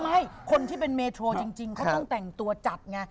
ไม่คนที่เป็นเมโทจริงเขาต้องแต่งตัวจัดไง